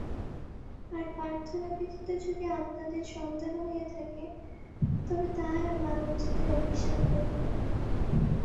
আর প্রার্থনা ব্যতীত যদি আপনাদের সন্তান হইয়া থাকে, তবে তাহারা মানবজাতির অভিশাপ হইবে।